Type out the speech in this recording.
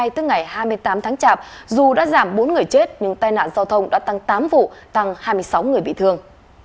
tức ngày hai mươi tám tháng chạp dù đã giảm bốn người chết nhưng tai nạn giao thông đã tăng tám vụ tăng hai mươi sáu người bị thương